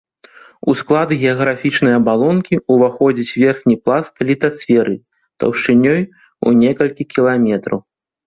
У склад геаграфічнай абалонкі ўваходзіць верхні пласт літасферы таўшчынёй у некалькі кіламетраў.